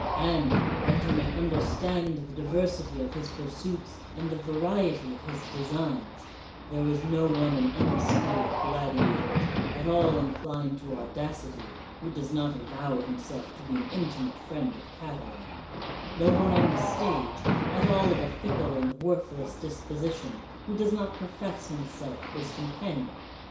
And, that you may understand the diversity of his pursuits and the variety of his designs, there was no one in any school of gladiators, at all inclined to audacity, who does not avow him self to be an intimate friend of Catiline — no one on the stage, at all of a fickle and worthless dis position, who does not profess himself his com panion.